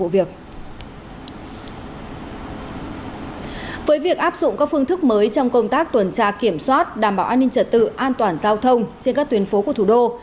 với việc áp dụng các phương thức mới trong công tác tuần tra kiểm soát đảm bảo an ninh trật tự an toàn giao thông trên các tuyến phố của thủ đô